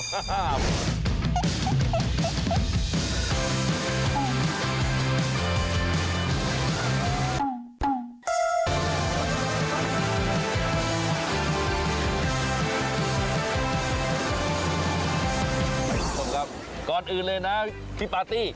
คุณผู้ชมครับก่อนอื่นเลยนะพี่ปาร์ตี้